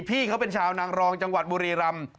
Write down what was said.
พี่เขาเป็นชาวนางรองจังหวัดบุรีรำ